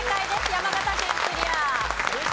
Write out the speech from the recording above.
山形県クリア。